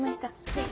はい。